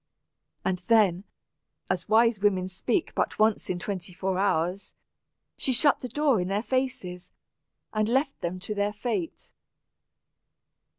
And then, as wise women speak but once in twenty four hours, she shut the door in their faces, and left them to their fate.